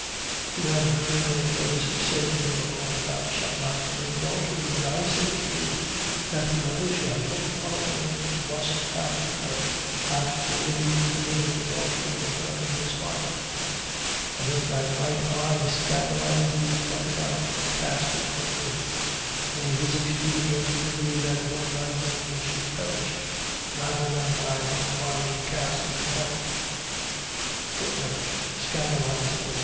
5:27. You have heard that it was said to them of old: Thou shalt not commit adultery. 5:28. But I say to you, that whosoever shall look on a woman to lust after her, hath already committed adultery with her in his heart. 5:29. And if thy right eye scandalize thee, pluck it out and cast it from thee. For it is expedient for thee that one of thy members should perish, rather than thy whole body be cast into hell. Scandalize thee.